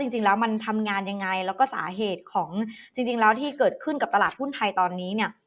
จริงแล้วมันทำงานยังไงแล้วก็สาเหตุของจริงแล้วที่เกิดขึ้นกับตลาดหุ้นไทยตอนนี้เนี่ย